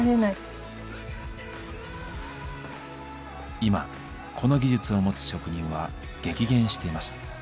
今この技術を持つ職人は激減しています。